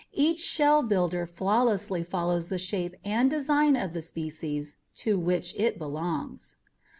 Each shell builder flawlessly follows the shape and design of the species to which it belongs.